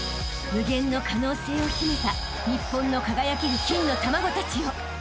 ［無限の可能性を秘めた日本の輝ける金の卵たちよ］